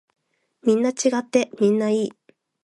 みんな違ってみんないい。